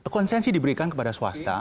konsensi diberikan kepada swasta